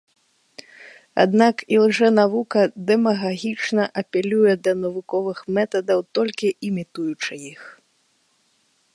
Аднак ілжэнавука дэмагагічна апелюе да навуковых метадаў, толькі імітуючы іх.